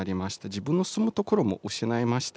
自分の住む所も失いました。